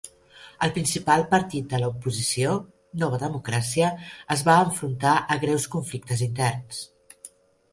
El principal partit de l'oposició, Nova Democràcia, es va enfrontar a greus conflictes interns.